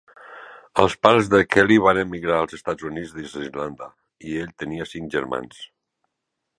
Els pares de Kelley van emigrar als Estats Units des d'Irlanda, i ell tenia cinc germans.